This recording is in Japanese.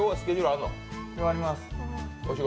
あります。